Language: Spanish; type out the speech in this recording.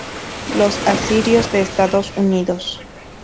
Los asirios de Estados Unidos.